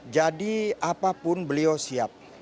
jadi apapun beliau siap